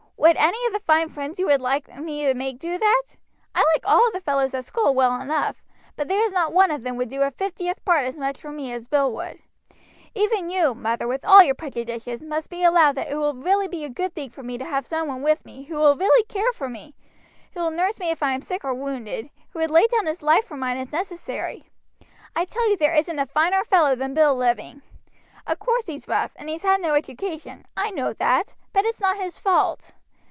"Would any of the fine friends you would like me to make do that? I like all the fellows at school well enough, but there is not one of them would do a fiftieth part as much for me as Bill would. Even you, mother, with all your prejudices; must allow that it will be a good thing for me to have some one with me who will really care for me, who will nurse me if I am sick or wounded, who would lay down his life for mine if necessary. I tell you there isn't a finer fellow than Bill living. Of course he's rough, and he's had no education, I know that; but it's not his fault.